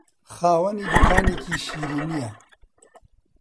خاوەنی دوکانێکی شیرینییە.